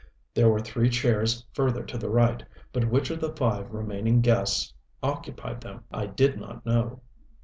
There were three chairs further to the right, but which of the five remaining guests occupied them I did not know.